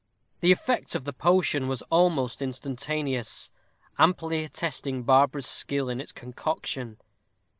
The effect of the potion was almost instantaneous, amply attesting Barbara's skill in its concoction.